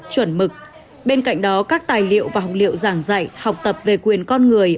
được bên cạnh đó các tài liệu và học liệu giảng dạy học tập về quyền con người